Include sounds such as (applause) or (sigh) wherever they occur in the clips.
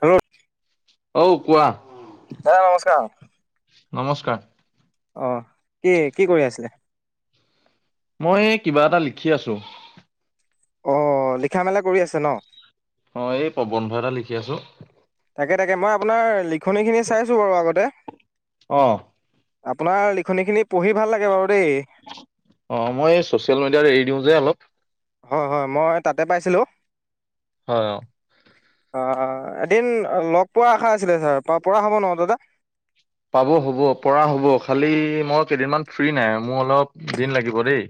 Hello অঔ কোৱা হে নমস্কাৰ নমস্কাৰ অ কি কি কৰি আছিলে মই কিবা এটা লিখি আছো অ লিখা মেলা কৰি আছে ন। অ এই প্ৰবন্ধ এটা লিখি আছো। তাকে তাকে মই আপোনাৰ লি খনি খিনি চাইছোঁ বাৰু আগতে অ আপোনাৰ লিখনি খিনি পঢ়ি ভাল লাগে বাৰু। দেই। অ মই চচিয়েল মিডিয়াত এৰি দিওঁ যে অলপ। হয় হয় মই তাতে পাইছিলোঁ। হয়। অ এদিন লগ পোৱাৰ আশা আছিলে ছাৰ প পৰা হ'ব ন দাদা। পাব হ'ব পৰা হ'ব খালি মই কেইদিনমান ফ্ৰী নাই মোৰ অলপ দিন লাগিব দেই।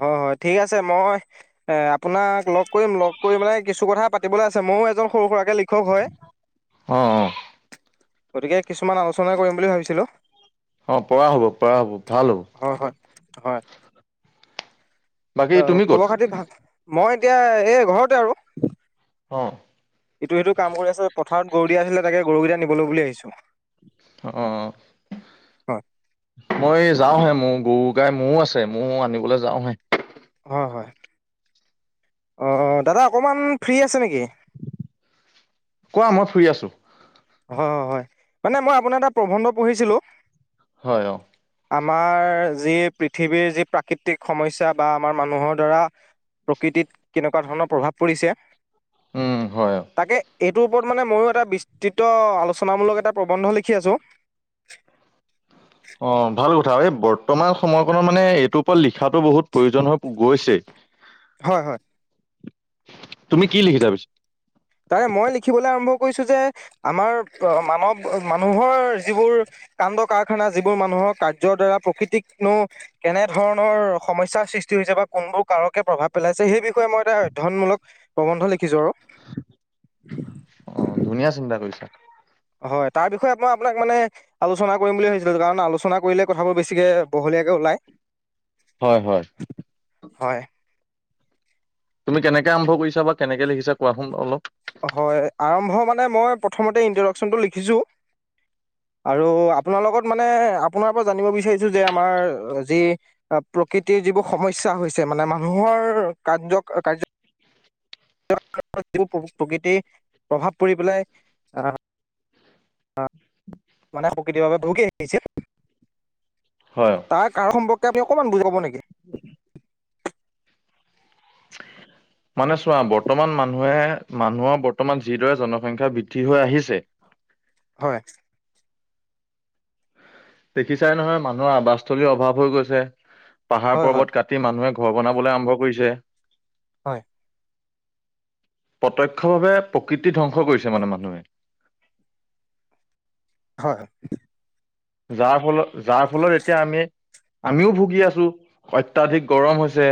হয়, হয় ঠিক আছে মই এ আপোনাক লগ কৰিম লগ কৰি মানে কিছু কথা পাতিবলৈ আছে ময়ো এজন সৰু সুৰাকে লিখ অ, অ। গতিকে কিছুমান আলোচনা কৰিম বুলি ভাবিছিলোঁ। অ পৰা হ'ব, পৰা হ'ব ভাল হব। হয় হয় হয়। বাকী অ তুমি ক'ত। খবৰ খাতি ভাল মই এতিয়া এই ঘৰতে আৰু। অ। ইটো সিটো কাম কৰি আছে পথাৰত গৰু দিয়া আছিলে তাকে গৰুকেইটা নিবলৈ বুলি আহিছো। অ হয়। মই যাওহে মোৰ গৰু গাই মোৰো আছে ময়ও আনিবলৈ যাও হে। হয় হয়। অ, অ দাদা অকমান ফ্ৰী আছে নেকি? কোৱা মই ফ্ৰি আছো। হয়, হয় মানে মই আপোনাৰ এটা প্ৰবন্ধ পঢ়িছিলো। হয় অ। আমাৰ যি পৃথিৱীৰ যি প্ৰাকৃতিক সমস্যা বা আমাৰ মানুহৰ দ্বাৰা প্ৰকৃতিত কেনেকুৱা ধৰণৰ প্ৰভাৱ পৰিছে। উম হয় অ তাকে। এইটোৰ ওপৰত মানে মইও এটা বিস্তৃত আলোচনামূলক এটা প্ৰবন্ধ লিখি আছো। অ ভাল কথা এই বৰ্তমান সময়কনৰ মানে এইটোৰ পৰা লিখাতো বহুত প্ৰয়োজন হৈ গৈছে। হয় হয়। তুমি কি লিখিছা পিছে। তাৰে মই লিখিবলৈ আৰম্ভ কৰিছো যে আমাৰ মানৱ মানুহৰ যিবোৰ কাণ্ড কাৰখানা যিবোৰ মানুহৰ কাৰ্যৰ দ্বাৰা প্ৰকৃতিকনো কেনেধৰণৰ সমস্যাৰ সৃষ্টি হৈছে বা কোনবোৰ কাৰকে প্ৰভাৱ পেলাইছে সেই বিষয়ে মই এটা অধ্যয়নমূলক প্ৰৱন্ধ লিখিছোঁ আৰু। অ ধুনীয়া চিন্তা কৰিছা। হয় তাৰ বিষয়ে মই আপোনাক মানে আলোচনা কৰিম বুলি ভাবিছিলোঁ কাৰণ আলোচনা কৰিলে কথাবোৰ বেছিকৈ বহলীয়াকৈ ওলায়। হয় হয়। হয় কেনেকৈ আৰম্ভ কৰিছা বা কেনেকৈ লিখিছা কোৱাচোন অলপ। হয়, আৰম্ভ মানে মই প্ৰথমতে ইনট্ৰডাকচনটো লিখিছো আৰু আপোনাৰ লগত মানে আপোনাৰ পৰা জানিব বিচাৰিছো যে আমাৰ যি প্ৰকৃতিৰ যিবোৰ সমস্যা হৈছে মানে মানুহৰ কাৰ্য -কাৰখানা। প্ৰকৃতিৰ প্ৰভাৱ পৰি পেলাই আহ আহ মানে প্ৰকৃতিৰ বাবে ভাবুকি আহিছিল। হয়। তাৰ কাৰণ সম্পৰ্ক আপুনি অকমান বুজাব নেকি? মানে চোৱা বৰ্তমান মানুহে মানুহৰ বৰ্তমান যিদৰে জনসংখ্যা বৃদ্ধি হৈ আহিছে। হয়। দেখিছাই নহয় মানুহৰ আৱাসস্থলীৰ অভাৱ হৈ গৈছে পাহাৰ হয় হয় পৰ্বত কাটি মানুহে ঘৰ বনাবলৈ আৰম্ভ কৰিছে হয় প্ৰত্যক্ষভাৱে প্ৰকৃতি ধ্বংস কৰিছে মানে মানুহে হয় যাৰ ফলত যাৰ ফলত এতিয়া আমি আমিও ভুগি আছো অত্যাধিক গৰম হৈছে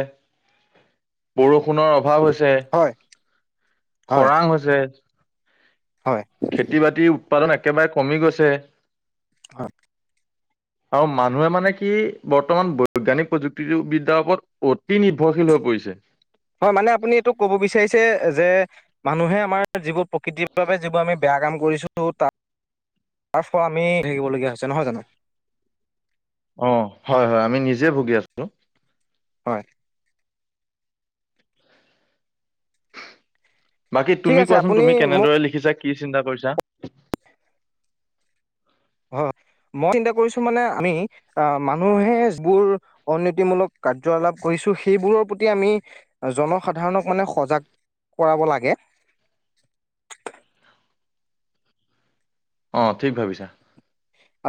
বৰষুণৰ অভাৱ হৈছে হয় হয় খৰাং হৈছে হয় খেতি বাতিও কাৰণ একেবাৰে কমি গৈছে সাত (unintelligible) আৰু মানুহে মানে কি বৰ্তমান বৈজ্ঞানিক প্ৰযুক্তিবিদ্যাৰ ওপৰত অতি নিৰ্ভৰশীল হৈ পৰিছে। হয় মানে আপুনি এইটো ক'ব বিচাৰিছে যে মানুহে আমাৰ যিবোৰ প্ৰকৃতিৰ বাবে যিবোৰ আমি বেয়া কাম কৰিছো তাৰ তাৰ ফল আমি থাকিবলগীয়া হৈছে নহয় জানো? অ হয়-হয় আমি নিজে ভুগি আছো। হয় বাকী ঠিক তুমি আছে কোৱাচোন তুমি আপুনি কেনেদৰে লিখিছা? কি চিন্তা কৰিছা? হয় মই চিন্তা কৰিছো মানে আমি আহ মানুহে যিবোৰ উন্নতি মূলক কাৰ্যালাপ কৰিছো সেইবোৰৰ প্ৰতি আমি জনসাধাৰণক মানে সজাগ কৰাব লাগে অ ঠিক ভাবিছা।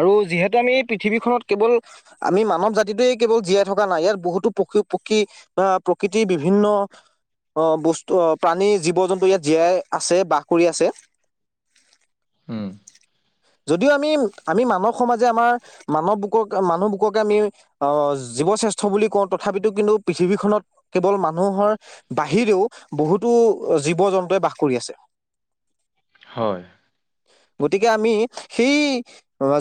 আৰু যিহেতু আমি পৃথিৱীখনত কেৱল আমি মানৱ জাতিটোৱে কেৱল জীয়াই থকা নাই ইয়াত বহুতো পশু পক্ষী আহ প্ৰকৃতিৰ বিভিন্ন আহ বস্তু প্ৰাণী জীৱ জন্তু ইয়াত জীয়াই আছে বাস কৰি আছে। হম যদিও আমি-আমি মানৱ সমাজে আমাৰ মানৱ বুকক মানুহ বুককে আমি আহ জীৱ শ্ৰেষ্ঠ বুলি কওঁ তথাপিতো কিন্তু পৃথিৱীখনত কেৱল মানুহৰ বাহিৰেও বহুতো জীৱ জন্তুৱে বাস কৰি আছে। হয় গতিকে আমি সেই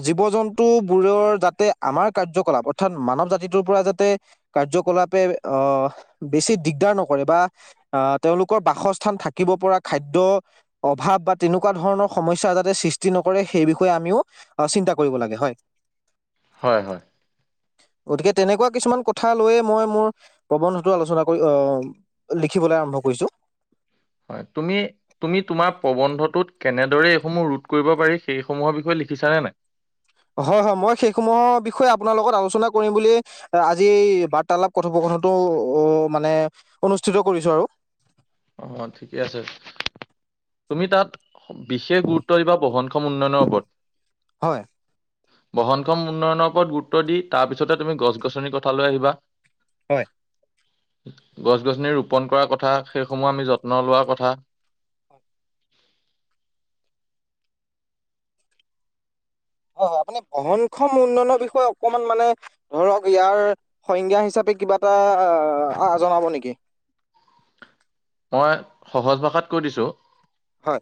জীৱ জন্তু বোৰৰ যাতে আমাৰ কাৰ্যকলাপ অৰ্থাৎ মানৱ জাতিটোৰ পৰা যাতে কাৰ্যকলাপে আহ বেছি দিগদাৰ নকৰে বা আহ তেওঁলোকৰ বাসস্থান থাকিব পৰা খাদ্যয় অভাৱ বা তেনেকুৱা ধৰণৰ সমস্যা যাতে সৃষ্টি নকৰে সেই বিষয়ে আমিও চিন্তা কৰিব লাগে হয়। হয়-হয়। গতিকে তেনেকুৱা কিছুমান কথা লৈয়ে মই মোৰ প্ৰবন্ধটো আলোচনা কৰি আহ লিখিবলৈ আৰম্ভ কৰিছো। হয় তুি তুমি তোমাৰ প্ৰবন্ধটোত কেনেদৰে এইসমূহ ৰোধ কৰিব পাৰি সেইসমূহৰ বিষয়ে লিখিছানে নাই? হয়-হয় মই সেইসমূহৰ বিষয়ে আপোনাৰ লগত আলোচনা কৰিম বুলি আজি বাৰ্তালাপ কথোপকথনো মানে অনুষ্ঠিত কৰিছো আৰু। অ ঠিকে আছে। তুমি তাত বিশেষ গুৰুত্ব দিবা বহনক্ষম উন্নয়নৰ ওপৰত। হয় বহনখন উন্নয়নৰ ওপৰত গুৰুত্ব দি তাৰপিছতে তুমি গছ গছনিৰ কথা লৈ আহিবা। হয় গছ গছনি ৰোপন কৰাৰ কথা। সেইসমূহ আমি যত্ন লোৱাৰ কথা। হয়-হয় আপুনি বহনক্ষণ উন্নয়নৰ বিষয়ে অকমান মানে ধৰক ইয়াৰ সংজ্ঞা হিচাপে কিবা এটা আহ জনাব নেকি? মই সহজ ভাষাত কৈ দিছো। হয়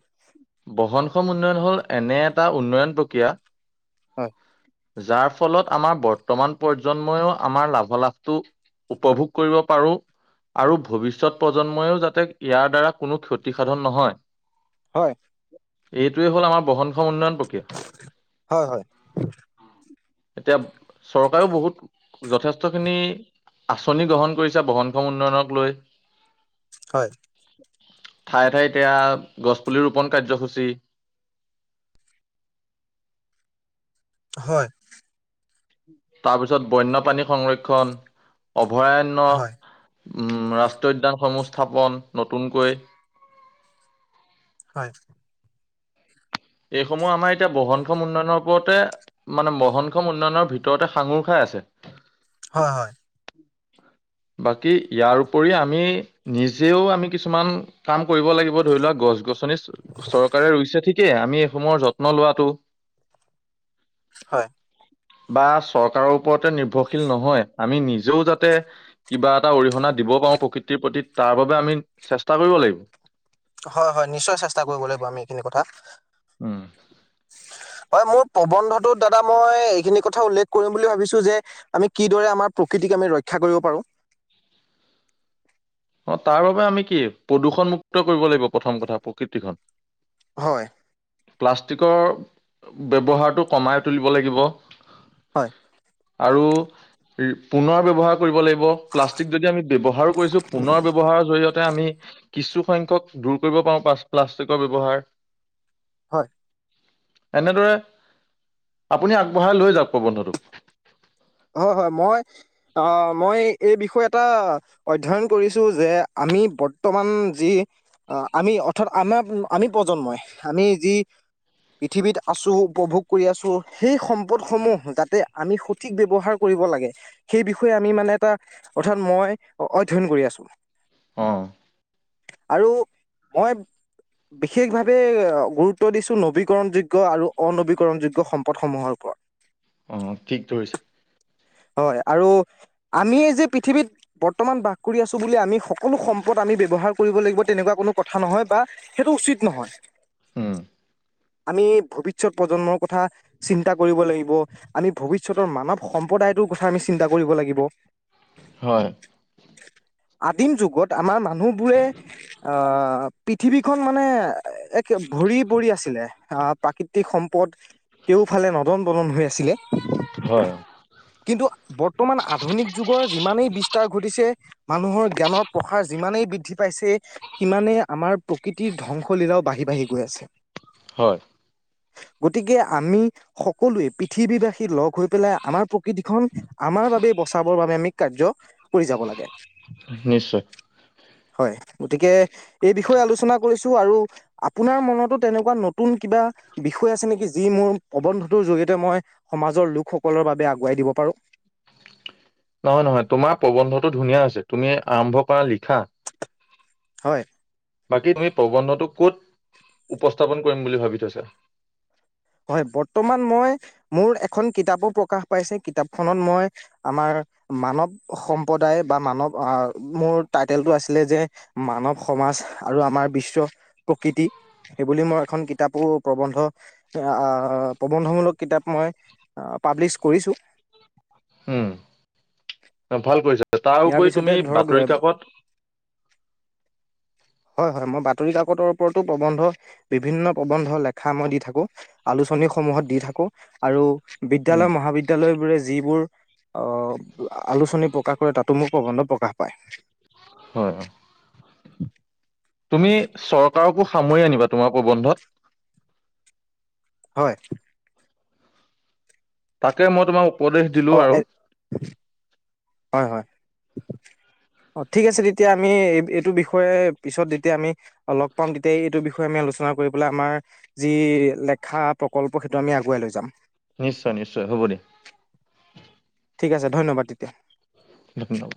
বহন অসম উন্নয়ন হ'ল এনে এটা উন্নয়ন প্ৰক্ৰিয়া। হয় যাৰ ফলত আমাৰ বৰ্তমান প্ৰজন্ময়ও আমাৰ লাভালাভটো উপভোগ কৰিব পাৰো আৰু ভৱিষ্যত প্ৰজন্মইও যাতে ইয়াৰ দ্বাৰা কোনো ক্ষতিসাধন নহয়। হয় এইটোৱে হ'ল আমাৰ বহুনক্ষখন উন্নয়ন প্ৰক্ৰিয়া হয়-হয়। এতিয়া চৰকাৰেও বহুত যথেষ্টখিনি আঁচনি গ্ৰহণ কৰিছে বহুনক্ষমখন উন্নয়নক লৈ। হয় ঠায়ে-ঠায়ে এতিয়া গছ পুলি ৰোপন কাৰ্যসূচী। হয় তাৰপিছত বন্যপ্ৰানী সংৰক্ষণ। অভয়াৰণ্য। হয় হয় উম ৰাষ্ট্ৰীয় উদ্যানসমূহ স্থাপন নতুনকৈ হয় এইসমূহ আমাৰ এতিয়া বহুনক্ষমউন্নয়নৰ ওপৰতে মানে বহনক্ষ উন্নয়নৰ ভিতৰতে সাঙুৰ খাই আছে। হয় হয়। বাকী ইয়াৰ উপৰি আমি নিজেও আমি কিছুমান কাম কৰিব লাগিব ধৰি লোৱা গছ গছ মানে চৰকাৰে ৰুইছে ঠিক। থিকে আমি এইসময়ৰ যত্ন লোৱাটো। হয়। বা চৰকাৰৰ ওপৰতে নিৰ্ভৰশীল নহয় আমি নিজেও যাতে কিবা এটা অৰিহণা দিব পাৰো প্ৰকৃতিৰ প্ৰতি তাৰ বাবে আমি চেষ্টা কৰিব লাগিব। হয় হয় নিশ্চয় চেষ্টা কৰিব লাগিব আমি এইখিনি কথা। উম। হয় মোৰ প্ৰবন্ধটোত দাদা মই এইখিনি কথা উল্লেখ কৰিম বুলি ভাবিছো, যে আমি কিদৰে আমাৰ প্ৰকৃতিক আমি ৰক্ষা কৰিব পাৰো। অ তাৰ বাবোবে আমি কি প্ৰদূষণমুক্ত কৰিব লাগিব প্ৰথম কথা প্ৰকৃতিখন। হয়। প্লাষ্টিকৰ ব্যৱহাৰটো কমাই তুলিব লাগিব হয়। আৰু পুনৰ ব্যৱহাৰ কৰিব লাগিব প্লাষ্টিক যদি আমি ব্যৱহাৰো কৰিছো পুনৰ ব্যৱহাৰৰ জৰিয়তে আমি কিছু সংখ্যক দূৰ কৰিব পাৰো পা প্লাষ্টিকৰ ব্যৱ্হাৰ হয়। এনেদৰে আপুনি আগবঢ়াই লৈ যাওঁক প্ৰবন্ধটোক হয় হয় মই আহ মই এই বিষয় এটা অধ্যয়ন কৰিছো যে আমি বৰ্তমান যি আমি অৰ্থাৎ আমাৰ আমি প্ৰজন্মই আমি যি পৃথিৱীত আছো উপভোগ কৰি আছো সেই সম্পদসমূহ যাতে আমি সঠ ঠিক ব্যৱহাৰ কৰিব লাগে সেই বিষয়ে আমি মানে এটা অৰ্থাৎ মই অধ্যয়ন কৰি আছো। অহ। আৰু মই বিশেষভাৱে গুৰুত্ব দিছোঁ নবীকৰণযোগ্য আৰু অনবীকৰণযোগ্য সম্পদসমূহৰ ওপৰত। অ ঠিক ধৰিচা। হয় আৰু আমি যে পৃথিৱীত বৰ্তমান বাস কৰি আছো বুলি আমি সকলো সম্পদ আমি ব্যৱহাৰ কৰিব লাগিব তেনেকুৱা কোনো কথা নহয় বা সেইটো উচিত নহয়। হম। আমি ভৱিষ্যত প্ৰজন্মৰ কথা চিন্তা কৰিব লাগিব আমি ভৱিষ্যতৰ মানৱ সম্প্ৰদায় টো কথা আমি চিন্তা কৰিব লাগিব। হয়। আদিম যুগত আমাৰ মানুহবোৰে আহ পৃথিৱীখন মানে এক ভৰি ভৰি পৰি আছিলে। আহ প্ৰাকৃতিক সম্পদ কেউফালে নদন বদন হৈ আছিলে। হয়। (inaudible) যুগৰ যিমানেই বিস্তাৰ ঘটিছে মানুহৰ জ্ঞানৰ প্ৰসাৰ যিমানেই বৃদ্ধি পাইছে, সিমানেই আমাৰ প্ৰকৃতিৰ ধ্বংসলীলাও বাঢ়ি বাঢ়ি গৈ আছে। হয়। গতিকে, আমি সকলোৱে পৃথিৱীবাসী লগ হৈ পেলাই আমাৰ প্ৰকৃতিখন আমাৰ বাবে বচাবৰ বাবে আমি কাৰ্য কৰি যাব লাগে। নিশ্চয় হয়। গতিকে, এই বিষয়ে আলোচনা কৰিছো আৰু আপোনাৰ মনতো তেনেকুৱা নতুন কিবা বিষয় আছে নেকি যি মোৰ প্ৰবন্ধটোৰ জৰিয়তে মই সমাজৰ লোকসকলৰ বাবে বোৱাই দিব পাৰোঁ। নহয়, নহয়, তোমাৰ প্ৰবন্ধটো ধুনীয়া হৈছে তুমি আৰম্ভ কৰা লিখা। হয়। বাকী তুমি, প্ৰবন্ধটো কত উপস্থাপন কৰিম বুলি ভাবি থৈছা। হয়, বৰ্তমান মই মোৰ এখন কিতাপো প্ৰকাশ পাইছে, কিতাপখনত মই আমাৰ মানৱ সম্প্ৰদায় বা মানৱ আহ মোৰ টাইটেলটো আছিলে যে মানৱ সমাজ আৰু আমাৰ বিশ্ব প্ৰকৃতি সেইবুলি মই এখন কিতাপো প্ৰবন্ধ অঁ! প্ৰবন্ধমূলক কিতাপ মই পাব্লিছ কৰিছোঁ। উম ভাল কৰিছা! তাৰ ইয়াৰ উপৰি পিছতে তুমি ধৰক বাতৰি কাকত হয়, হয়, মই বাতৰি কাকতৰ ওপৰতো প্ৰবন্ধ বিভিন্ন প্ৰবন্ধ লেখা মই দি থাকো আলোচনীসমূহত দি থাকো আৰু উম, বিদ্যালয় মহাবিদ্যয়ালয়বোৰে যিবোৰ অঁ আলোচনী প্ৰকাশ কৰে তাতো মোক প্ৰবন্ধ প্ৰকাশ পায়। হয়। তুমি চৰকাৰকো সামৰি আনিবা তোমাৰ প্ৰবন্ধত! হয়। তাকে মই তোমাৰ উপদেশ দিলোঁ অ আৰু। এ হয়, হয়, অ ঠিক আছে তেতিয়া আমি এইটো বিষয়ে পিছত যেতিয়া আমি লগ পাম তেতিয়া এইটো বিষয়ে আমি আলোচনা কৰি পেলাই আমাৰ যি লেখা প্ৰকল্প সেইটো আমি আগুৱাই লৈ যাম। নিশ্চয় নিশ্চয় হ'ব দে। ঠিক আছে ধন্যবাদ তেতিয়া এইটো লওক,